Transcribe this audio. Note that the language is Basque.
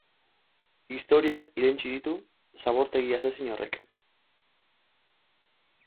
Historiak irentsi ditu, zabortegi asezin horrek.